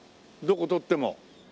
どこ撮っても。